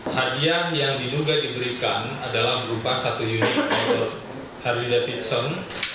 hadian yang diduga diberikan adalah berupa satu unit untuk harley davidson